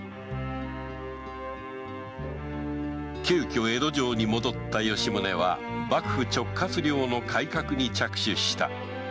急遽江戸城に戻った吉宗は幕府直轄領の改革に着手した